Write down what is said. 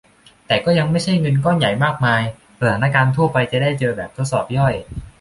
แต่ก็ยังไม่ใช่เงินก้อนใหญ่มากมายสถานการณ์ทั่วไปจะได้เจอแบบทดสอบย่อย